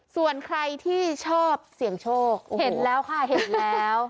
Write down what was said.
ส่วนใครที่ชอบเสี่ยงโชคเห็นแล้วค่ะเห็นแล้ว